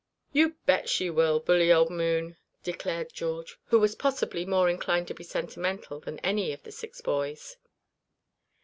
"You just bet she will, bully old moon!" declared George, who was possibly more inclined to be sentimental than any of the six boys.